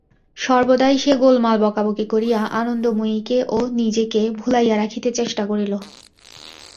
সর্বদাই সে গোলমাল বকাবকি করিয়া আনন্দময়ীকে ও নিজেক ভুলাইয়া রাখিতে চেষ্টা করিল।